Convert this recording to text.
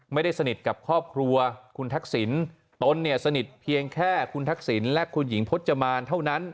ไม่ได้สนิทกับครอบครัวคุณทักษิณตนเนี่ยสนิทเพียงแค่คุณทักษิณและคุณหญิงพจมานเท่านั้น